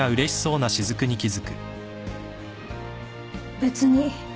別に。